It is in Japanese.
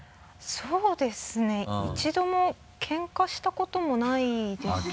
そうですね一度もケンカしたこともないですね。